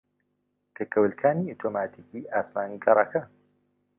پێکەوەلکانی ئۆتۆماتیکیی ئاسمانگەڕەکە